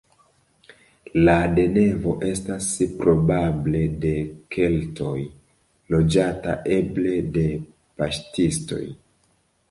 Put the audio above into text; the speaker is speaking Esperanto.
La deveno estas probable de keltoj, loĝata eble de paŝtistoj.